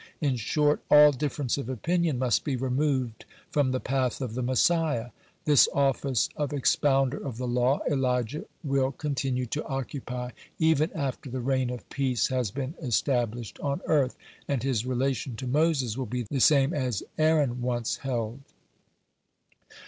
In short, all difference of opinion must be removed from the path of the Messiah. (109) This office of expounder of the law Elijah will continue to occupy even after the reign of peace has been established on earth, and his relation to Moses will be the same Aaron once held.